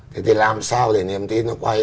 thế thì làm sao để niềm tin nó quay